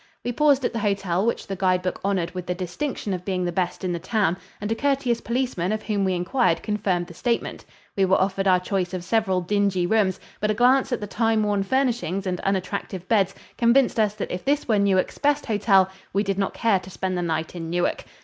We paused at the hotel which the guide book honored with the distinction of being the best in the town and a courteous policeman of whom we inquired confirmed the statement. We were offered our choice of several dingy rooms, but a glance at the time worn furnishings and unattractive beds convinced us that if this were Newark's best hotel we did not care to spend the night in Newark.